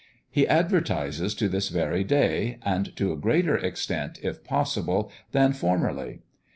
He advertises to this very day, and to a greater extent, if possible, than formerly.